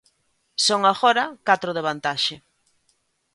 Son agora catro de vantaxe.